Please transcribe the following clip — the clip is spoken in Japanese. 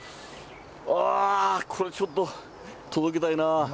あー、これちょっと、届けたいな。